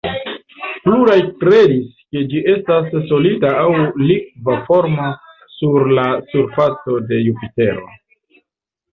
Pluraj kredis ke ĝi estas solida aŭ likva formo sur la surfaco de Jupitero.